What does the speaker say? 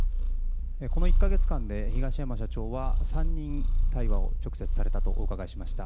この１か月間で東山社長は３人、直接対話をされたと伺いました。